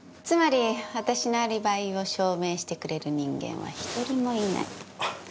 つまり私のアリバイを証明してくれる人間は一人もいない。